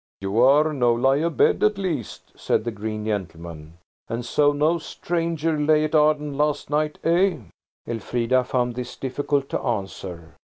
"You are no lie abed at least," said the green gentleman. "And so no stranger lay at Arden last night, eh?" Elfrida found this difficult to answer.